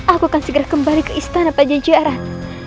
aku akan segera kembali ke istana pada jajaran